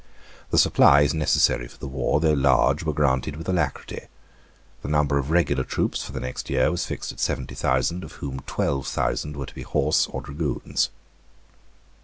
The supplies necessary for the war, though large, were granted with alacrity. The number of regular troops for the next year was fixed at seventy thousand, of whom twelve thousand were to be horse or dragoons.